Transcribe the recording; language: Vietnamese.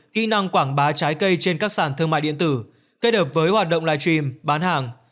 kỹ năng quảng bá trái cây trên các sản thương mại điện tử kết hợp với hoạt động live stream bán hàng